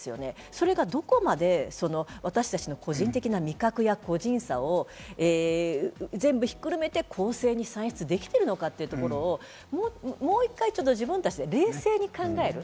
それがどこまで私たちの個人的な味覚や個人差を全部ひっくるめて公正に算出できているのかというところをもう１回ちょっと自分たちで冷静に考える。